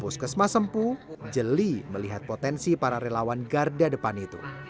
puskesmas sempu jeli melihat potensi para relawan garda depan itu